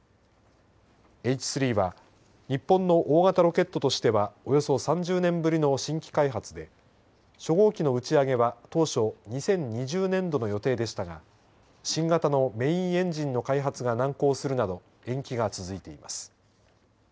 Ｈ３は日本の大型ロケットとしてはおよそ３０年ぶりの新規開発で初号機の打ち上げは当初２０２０年度の予定でしたが新型のメインエンジンの開発が難航するなど延期が続いています。